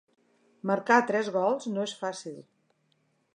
Marcar tres gols no és fàcil.